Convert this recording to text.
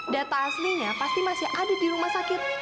data aslinya pasti masih ada di rumah sakit